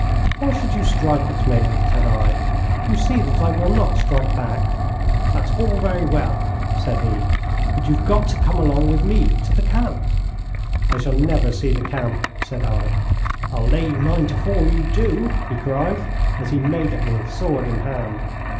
'Why should you strike at me?' said I. 'You see that I will not strike back.' 'That's all very well,' said he; 'but you've got to come along with me to the camp.' 'I shall never see the camp,' said I. 'I'll lay you nine to four you do,' he cried, as he made at me, sword in hand.